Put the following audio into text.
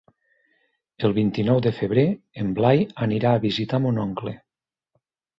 El vint-i-nou de febrer en Blai anirà a visitar mon oncle.